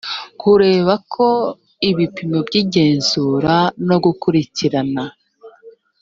kureba ko ibipimo by igenzura no gukurikirana